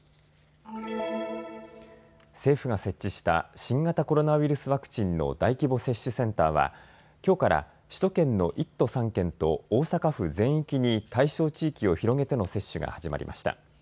政府が設置した新型コロナウイルスワクチンの大規模接種センターはきょうから首都圏の１都３県と大阪府全域に対象地域を広げての接種が始まりました。